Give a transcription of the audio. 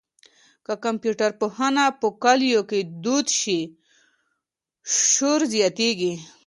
که کمپيوټر پوهنه په کلیو کي دود شي، شعور زیاتېږي.